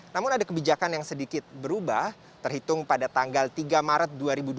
namun ada kebijakan yang sedikit berubah terhitung pada tanggal tiga maret dua ribu dua puluh